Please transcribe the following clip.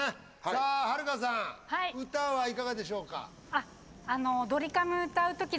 さあはるかさん「歌」はいかがでしょうか？